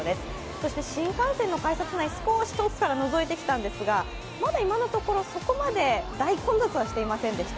そして新幹線の改札、遠くからのぞいてみたんですがまだ今のところ、そこまで大混雑はしていませんでした。